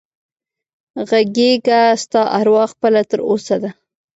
غږېږه ستا اروا خپله تر اوسه ده